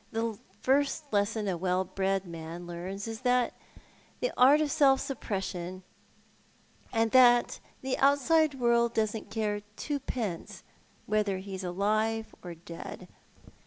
The first lesson a well bred man learns is the art of self suppression, and that the outside world doesn't care twopence whether he's alive or dead.